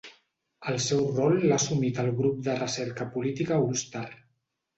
El seu rol l'ha assumit el Grup de Recerca Política Ulster.